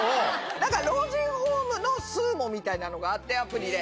だから老人ホームのスーモみたいのがあって、アプリで。